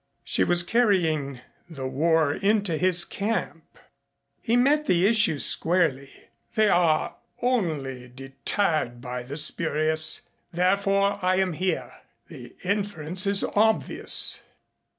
She was carrying the war into his camp. He met the issue squarely. "They are only deterred by the spurious. Therefore I am here. The inference is obvious."